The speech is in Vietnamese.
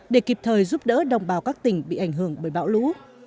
để kịp thời giúp đỡ đồng bào các tỉnh bị ảnh hưởng bởi bão lũ